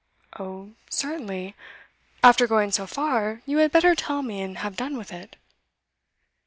'Oh, certainly. After going so far, you had better tell me and have done with it.